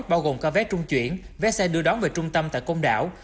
bao gồm cả vé trung chuyển vé xe đưa đón về trung tâm tại công đảo